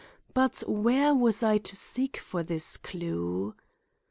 But where was I to seek for this clue?